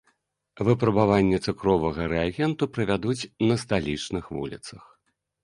Выпрабаванне цукровага рэагенту правядуць на сталічных вуліцах.